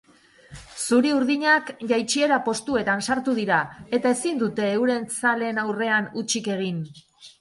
Zuri-urdinak jaitsiera postuetan sartu dira eta ezin dute euren zaleen aurrean hutsik egin.